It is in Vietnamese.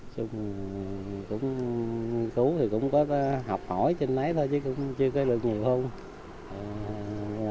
chúng cũng nghiên cứu thì cũng có học hỏi trên máy thôi chứ cũng chưa có được nhiều không